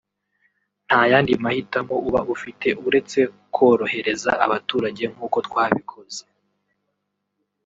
nta yandi mahitamo uba ufite uretse korohereza abaturage nk’uko twabikoze